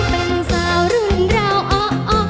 ขอโชคดีค่ะ